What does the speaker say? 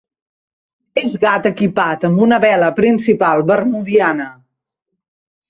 És gat equipat amb una vela principal bermudiana.